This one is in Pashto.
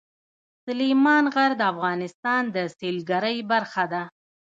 سلیمان غر د افغانستان د سیلګرۍ برخه ده.